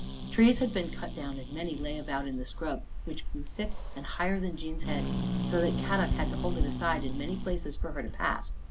Trees had been cut down and many lay about in the scrub, which grew thick and higher than Jean's head, so that Kadok had to hold it aside in many places for her to pass.